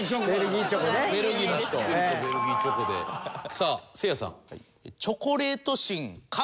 さあせいやさん。